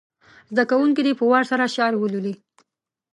زده کوونکي دې په وار سره شعر ولولي.